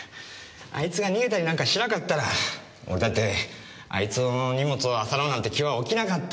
あいつが逃げたりなんかしなかったら俺だってあいつの荷物を漁ろうなんて気は起きなかった。